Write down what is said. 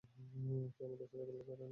সে আমাদের সাথে খেলতে পারবে না।